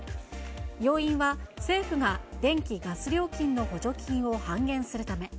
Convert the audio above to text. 要因は、政府が電気・ガス料金の補助金を半減するため。